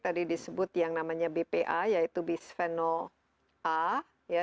tadi disebut yang namanya bpa yaitu bisphenol a